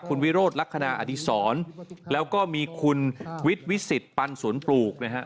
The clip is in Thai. คุณวิโรธลักษณะอดีศรแล้วก็มีคุณวิทย์วิสิตปันสวนปลูกนะฮะ